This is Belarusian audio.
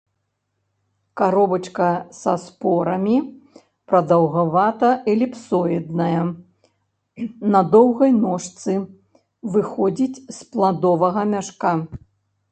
Каробачка са спорамі прадаўгавата-эліпсоідная, на доўгай ножцы, выходзіць з пладовага мяшка.